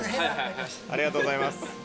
ありがとうございます。